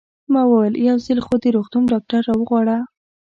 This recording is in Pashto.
ما وویل: یو ځل خو د روغتون ډاکټر را وغواړه.